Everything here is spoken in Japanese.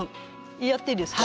やっていいですか？